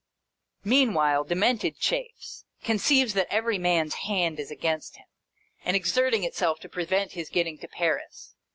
Meanwhile, Demented chafes. Conceives that every man's hand is against him, and exerting itself to prevent his getting to Paris.